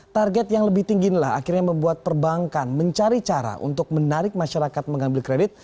target yang lebih tinggi inilah akhirnya membuat perbankan mencari cara untuk menarik masyarakat mengambil kredit